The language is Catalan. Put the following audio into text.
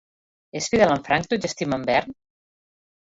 És fidel en Frank tot i estimar en Bernd?